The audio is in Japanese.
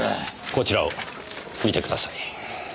こちらを見てください。